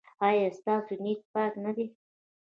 ایا ستاسو نیت پاک نه دی؟